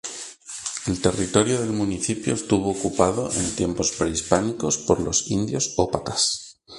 El territorio del municipio estuvo ocupado en tiempos prehispánicos por los indios ópatas.